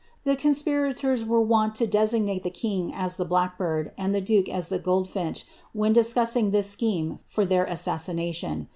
The conspirato wont to designate the king as the blackbird, and the duke as thi finch, when discussing ttiis scheme for their assassination.'